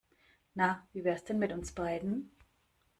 Na, wie wär's denn mit uns beiden?